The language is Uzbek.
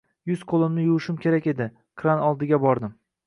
Yuz-qoʻlimni yuvishim kerak edi. Kran oldiga bordim.